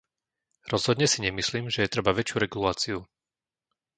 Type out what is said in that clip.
Rozhodne si nemyslím, že je treba väčšiu reguláciu.